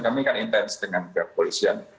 kami kan intens dengan pihak polisian